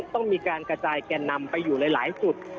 ต้องมีการกระจายแกนนำไปอยู่หลายจุด